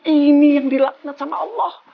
ini yang dilakukan sama allah